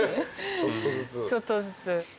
ちょっとずつ。